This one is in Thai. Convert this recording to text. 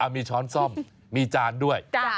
มีช้อนซ่อมมีจานด้วย